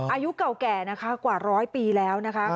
อายุเก่าแก่นะคะกว่าร้อยปีแล้วนะคะ